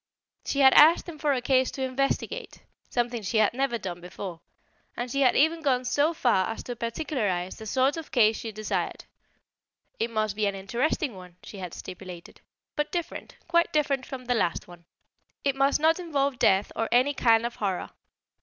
She had asked him for a case to investigate (something she had never done before), and she had even gone so far as to particularize the sort of case she desired: "It must be an interesting one," she had stipulated, "but different, quite different from the last one. It must not involve death or any kind of horror.